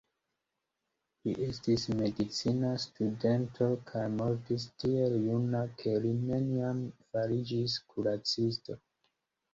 Li estis medicina studento kaj mortis tiel juna ke li neniam fariĝis kuracisto.